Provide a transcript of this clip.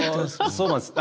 そうなんです。